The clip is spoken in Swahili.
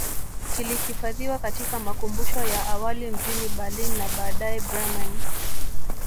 Kilihifadhiwa katika makumbusho ya awali mjini Berlin na baadae Bremen